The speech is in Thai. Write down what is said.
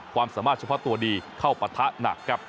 ความสามารถเฉพาะตัวดีเข้าปะทะหนักครับ